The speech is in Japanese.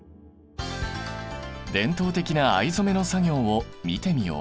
伝統的な藍染めの作業を見てみよう。